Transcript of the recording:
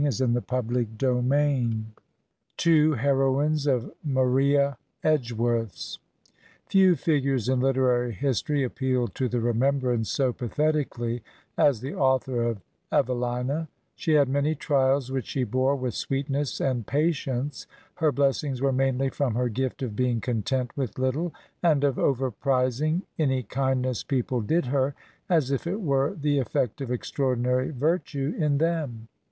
Digitized by VjOOQIC TWO HEROINES OF MARIA EDGEWORTH'S FEW figures in literary history appeal to the re membrance so pathetically as the author of " Eve lina/' She had many trials which she bore with sweetness and patience; her blessings were mainly from her gift of being content with httle, and of over prizing any kindness people did her, as if it were the effect of extraordinary virtue in them.